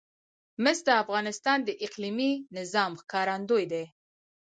مس د افغانستان د اقلیمي نظام ښکارندوی ده.